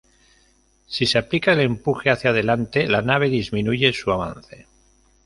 Si se aplica el empuje hacia adelante la nave disminuye su avance.